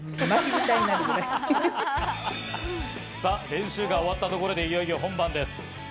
練習が終わったところでいよいよ本番です。